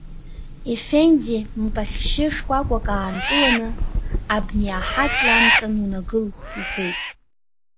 Ефенди, мпахьшьы шкәакәак аанкыланы абни аҳаҵла амҵан унагыл, — иҳәеит.